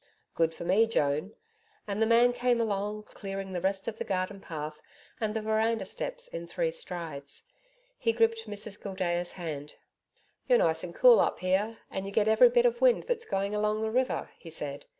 'Good for me, Joan,' and the man came along, clearing the rest of the garden path and the veranda steps in three strides. He gripped Mrs Gildea's hand. 'You're nice and cool up here, and you get every bit of wind that's going along the river,' he said.